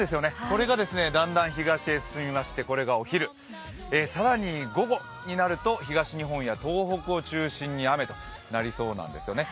これがだんだん東へ進みましてこれがお昼、更に午後になると東日本や東北を中心に雨となりそうなんですよね。